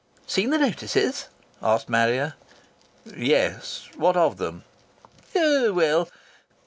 "Seen the notices?" asked Marrier. "Yes. What of them?" "Oh! Well!"